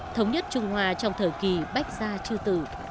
thống nhất trung hoa trong thời kỳ bách gia chư tử